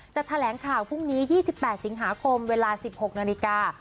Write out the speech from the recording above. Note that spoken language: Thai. แถลงข่าวพรุ่งนี้๒๘สิงหาคมเวลา๑๖นาฬิกา